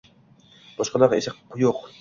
boshqalar esa yo‘q.